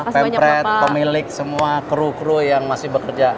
pempret pemilik semua kru kru yang masih bekerja